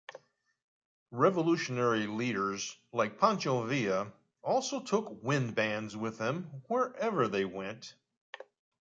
Revolutionary leaders like Pancho Villa, also took wind bands with them wherever they went.